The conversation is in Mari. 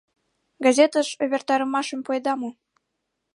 Газетыш увертарымашым пуэда мо?